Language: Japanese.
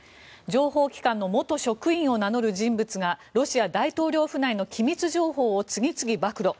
情報機関の元職員を名乗る人物がロシア大統領府内の機密情報を次々暴露。